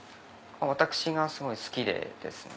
私がすごい好きでですね。